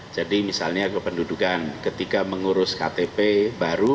jadi misalnya kependudukan ketika mengurus ktp baru